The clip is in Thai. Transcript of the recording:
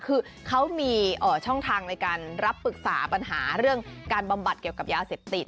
คือเขามีช่องทางในการรับปรึกษาปัญหาเรื่องการบำบัดเกี่ยวกับยาเสพติด